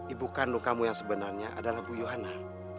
ibu kandung kamu yang sebenarnya adalah bu yohana